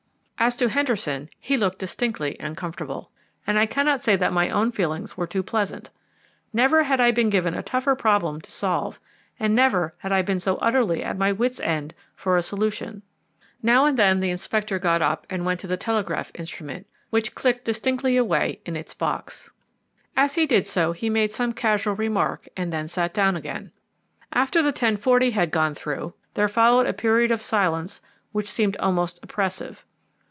As to Henderson, he looked distinctly uncomfortable, and I cannot say that my own feelings were too pleasant. Never had I been given a tougher problem to solve, and never had I been so utterly at my wits' end for a solution. Now and then the Inspector got up and went to the telegraph instrument, which intermittently clicked away in its box. As he did so he made some casual remark and then sat down again. After the 10.40 had gone through, there followed a period of silence which seemed almost oppressive.